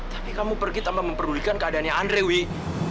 tapi kamu pergi tanpa memperdulikan keadaannya andre wih